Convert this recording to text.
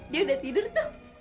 dia udah tidur tuh